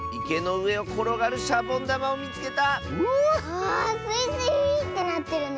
あスイスイーってなってるね。